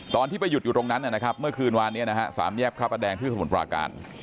ตอนที่ไปหยุดอยู่ตรงนั้นเมื่อคืนวานนี้สามแยกครับอันแดงที่สมุนปราการ